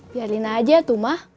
biarin aja tuh mah